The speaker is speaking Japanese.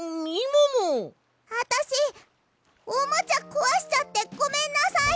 あたしおもちゃこわしちゃってごめんなさい！